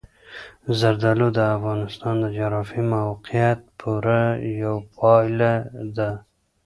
زردالو د افغانستان د جغرافیایي موقیعت پوره یوه پایله ده.